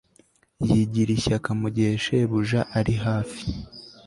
Yigira ishyaka mugihe shebuja ari hafi